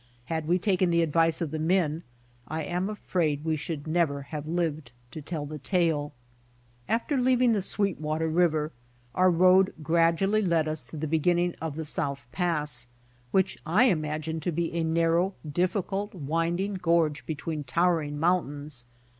Had we taken the advice of the men I am afraid we should never have lived to tell the tale. After leaving the Sweetwater river our road gradually led us to the beginning of the South Pass, which I imagined to be a narrow, difficult, winding gorge between towering mountains.